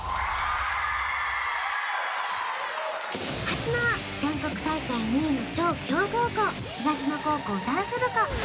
勝つのは全国大会２位の超強豪校東野高校ダンス部か？